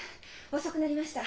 遅くなりました。